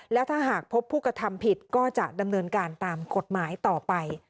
แล้วถ้าหากพบผู้กระทำผิดก็จะดำเนินการตามกฎหมายต่อไป